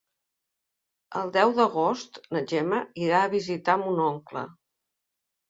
El deu d'agost na Gemma irà a visitar mon oncle.